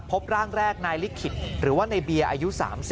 พบร่างแรกนายลิขิตหรือว่าในเบียร์อายุ๓๐